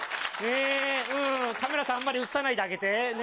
カメラさん、あんまり映さないであげてね。